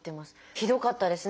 ひどかったですね